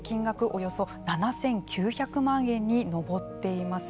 およそ７９００万円に上っています。